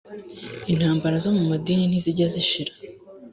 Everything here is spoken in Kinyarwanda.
intambara zo mu madini ntizijya zishira